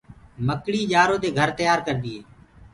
مڪڙيٚ ڃآرو دي گھر تيآر ڪردي هي۔